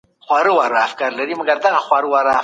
قومي تخلص همېشه بدخواهان لري.